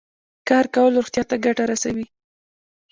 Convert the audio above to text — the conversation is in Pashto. کار کول روغتیا ته ګټه رسوي.